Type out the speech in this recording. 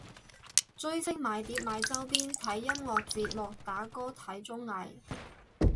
追星買碟買周邊睇音樂節目打歌睇綜藝